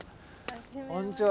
こんにちは。